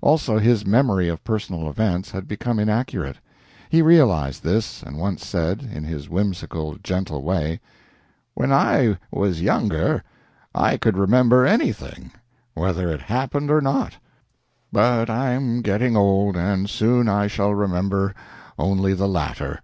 Also, his memory of personal events had become inaccurate. He realized this, and once said, in his whimsical, gentle way: "When I was younger I could remember anything, whether it happened or not; but I am getting old, and soon I shall remember only the latter."